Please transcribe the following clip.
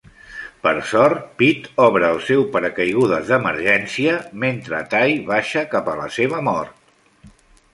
Per sort, Pete obre el seu paracaigudes d'emergència mentre Ty baixa cap a la seva mort.